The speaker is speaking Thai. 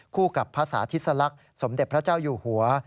กับพระสาธิสลักษณ์สมเด็จพระเจ้าอยู่หัว